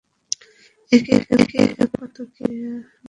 একে একে কত কি ভাবনা আসিয়া পড়িল।